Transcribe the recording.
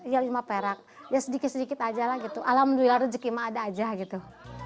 ya lima perak ya sedikit sedikit aja lah gitu alhamdulillah rezeki mah ada aja gitu